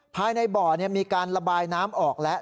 ภายในบ่อมีการระบายน้ำออกแล้ว